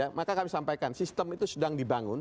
ya maka kami sampaikan sistem itu sedang dibangun